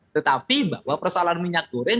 tetapi bahwa persoalan minyak goreng